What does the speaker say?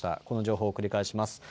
この情報を繰り返します。